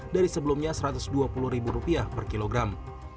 dari sebelumnya rp satu ratus dua puluh per kilogram